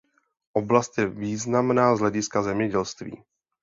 Oblast je významná z hlediska zemědělství.